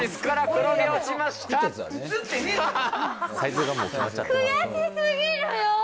悔しすぎるよ。